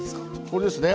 これですね